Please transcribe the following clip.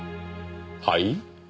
はい？